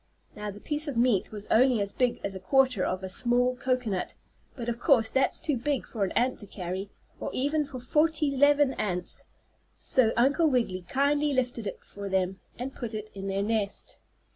Now the piece of meat was only as big as a quarter of a small cocoanut, but, of course, that's too big for an ant to carry; or even for forty 'leven ants, so Uncle Wiggily kindly lifted it for them, and put it in their nest.